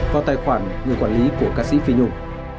vào tài khoản người quản lý của ca sĩ phi nhung